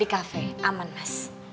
di kafe aman mas